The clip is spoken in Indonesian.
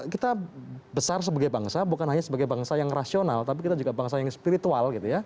kita besar sebagai bangsa bukan hanya sebagai bangsa yang rasional tapi kita juga bangsa yang spiritual gitu ya